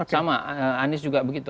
sama anies juga begitu